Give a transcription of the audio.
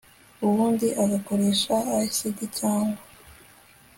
ubundi ugakoresha acid cyangwa